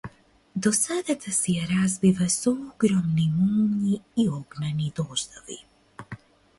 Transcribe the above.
Досадата си ја разбива со огромни молњи и огнени дождови.